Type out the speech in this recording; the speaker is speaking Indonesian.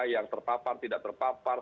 yang terpapar tidak terpapar